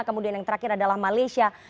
kemudian yang terakhir adalah malaysia